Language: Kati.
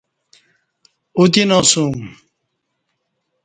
اوتیناسُوم